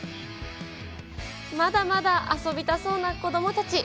まだまだ遊びたそうな子どもたち。